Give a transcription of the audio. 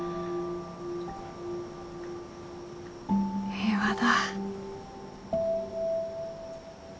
平和だ。